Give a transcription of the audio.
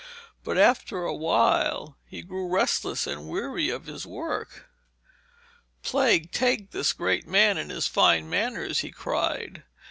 But after a while he grew restless and weary of his work. 'Plague take this great man and his fine manners,' he cried.